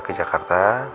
ku tak ada crossed